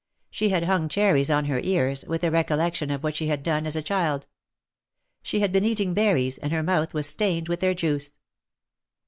She had hung cherries on her ears, with a recollection of what she had done as a child. She had been eating berries, and her mouth was stained with their juice.